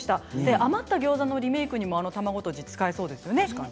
余ったギョーザのリメークにもあの卵とじ使えそうですよね。